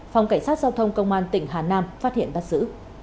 phòng cảnh sát giao thông công an tỉnh hà nam phát hiện bắt giữ